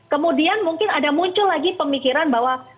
kemudian mungkin ada muncul lagi pemikiran bahwa